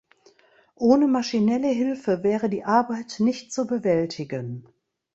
Ohne maschinelle Hilfe wäre die Arbeit nicht zu bewältigen.